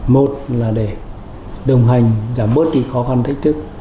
một là để đồng hành giảm bớt đi khó khăn thách thức